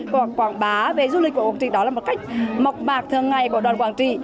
quảng bá về du lịch của quảng trị đó là một cách mọc mạc thường ngày của đoàn quảng trị